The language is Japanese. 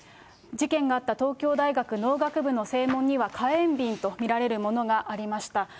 事件があった東京大学農学部の正門には、火炎瓶と見られるものがありました。